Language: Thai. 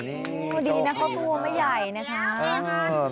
ดีนะครับครับตัวแม่ใหญ่นะครับ